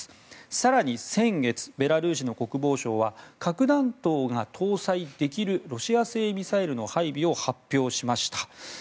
更に先月ベラルーシの国防省は核弾頭が搭載できるロシア製ミサイルの配備を発表しました。